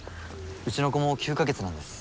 うちの子も９か月なんです。